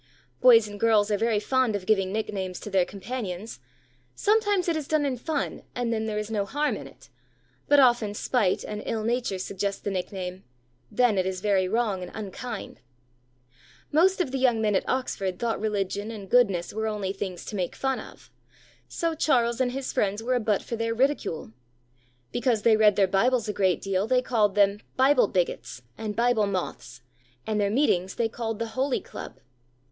Boys and girls are very fond of giving nicknames to their companions; sometimes it is done in fun, and then there is no harm in it, but often spite and ill nature suggest the nickname, then it is very wrong and very unkind. Most of the young men at Oxford thought religion and goodness were only things to make fun of, so Charles and his friends were a butt for their ridicule. Because they read their Bibles a great deal they called them "Bible Bigots," and "Bible Moths," and their meetings they called the "Holy Club."